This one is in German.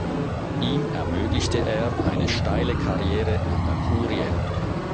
Ihm ermöglichte er eine steile Karriere an der Kurie.